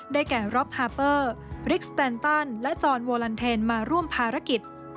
แก่ร็อปฮาเปอร์ริกสแตนตันและจอนโวลันเทนมาร่วมภารกิจ